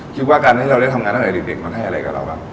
คิดว่าการที่เราได้ทำงานตั้งแต่เด็กมันให้อะไรกับเราบ้าง